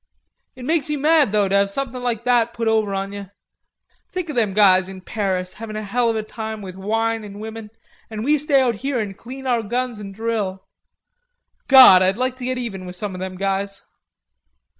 "It makes you mad, though, to have something like that put over on ye.... Think of them guys in Paris, havin' a hell of a time with wine an' women, an' we stay out here an' clean our guns an' drill.... God, I'd like to get even with some of them guys."